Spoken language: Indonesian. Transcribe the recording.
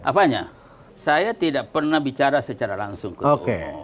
apanya saya tidak pernah bicara secara langsung ketua umum